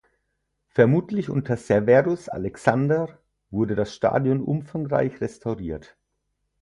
Vermutlich unter Severus Alexander wurde das Stadion umfangreich restauriert.